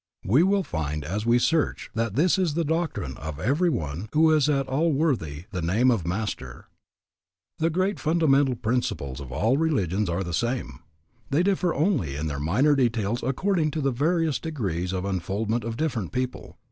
We will find as we search that this is the doctrine of every one who is at all worthy the name of master. The great fundamental principles of all religions are the same. They differ only in their minor details according to the various degrees of unfoldment of different people.